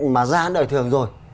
mà ra án đời thường rồi